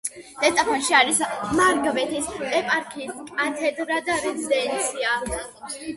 ზესტაფონში არის მარგვეთის ეპარქიის კათედრა და რეზიდენცია.